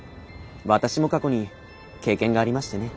私も過去に経験がありましてね。